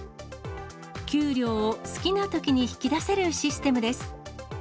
給料を好きなときに引き出せるシステムです。